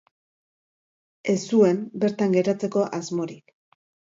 Ez zuen bertan geratzeko asmorik.